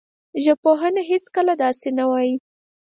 ژبپوهنه هېڅکله داسې نه وايي